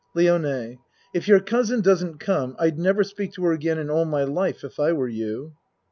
LIONE If your cousin doesn't come, I'd never speak to her again in all my life, if I were you.